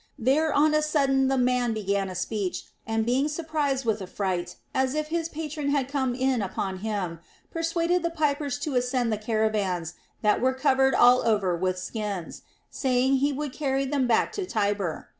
There on a sudden the man began a speech, and being surprised with a fright, as if his patron had come in upon him, per suaded the pipers to ascend the caravans that were covered all over with skins, saying he would carry them back to Tibur.